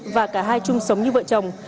và cả hai chung sống như vợ chồng